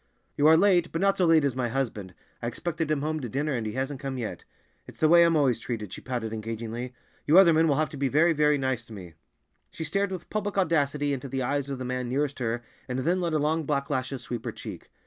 "You are late, but not so late as my husband. I expected him home to dinner, and he hasn't come yet. It's the way I'm always treated," she pouted engagingly; "you other men will have to be very, very nice to me." She stared with public audacity into the eyes of the man nearest her, and then let her long black lashes sweep her cheek.